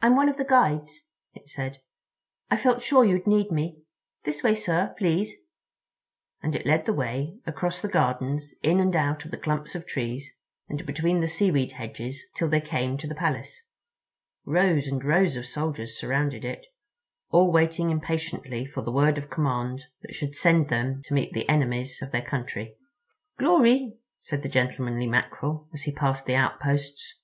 "I'm one of the Guides," it said. "I felt sure you'd need me. This way, sir, please," and it led the way across the gardens in and out of the clumps of trees and between the seaweed hedges till they came to the Palace. Rows and rows of soldiers surrounded it, all waiting impatiently for the word of command that should send them to meet the enemies of their country. "Glory," said the gentlemanly Mackerel, as he passed the outposts.